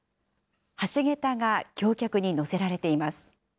橋桁が橋脚に載せられています。